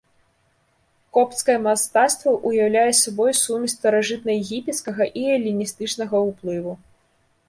Копцкае мастацтва ўяўляе сабой сумесь старажытнаегіпецкага і эліністычнага ўплыву.